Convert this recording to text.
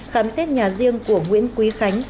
khám xét nhà riêng của nguyễn quý khánh